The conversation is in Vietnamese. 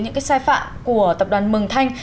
những cái sai phạm của tập đoàn mừng thanh